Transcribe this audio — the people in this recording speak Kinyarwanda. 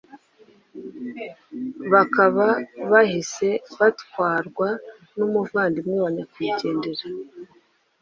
bakaba bahise batwarwa n’umuvandimwe wa nyakwigendera